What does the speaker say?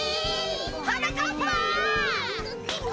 はなかっぱ！